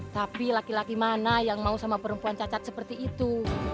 tapi laki laki mana yang mau sama perempuan cacat seperti itu